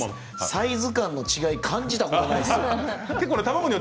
サイズ感の違い感じたことがなかった。